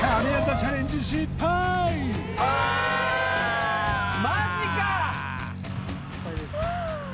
あっマジか！？